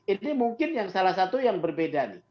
ini mungkin yang salah satu yang berbeda nih